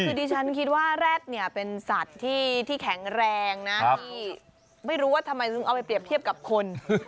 คือดิฉันคิดว่าแร็ดเนี่ยเป็นสัตว์ที่แข็งแรงนะที่ไม่รู้ว่าทำไมต้องเอาไปเปรียบเทียบกับคน